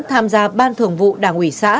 tham gia ban thường vụ đảng ủy xã